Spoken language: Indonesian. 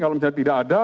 kalau misalnya tidak ada